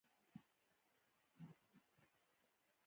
د پکتیا او د کابل بالا حصارونه یې ښې بېلګې دي.